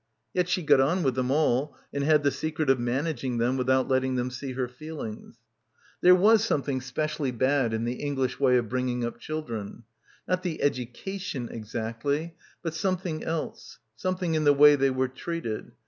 Yet she got on with them all and had the secret of managing them without let ting them see her feelings. There was something specially bad in the Eng lish way of bringing up children. Not the 'edu cation' exactly, but something else, something in the way they were treated.